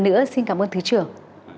một lần nữa xin cảm ơn thứ trưởng